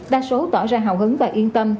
đa số tỏ ra hào hứng và yên tâm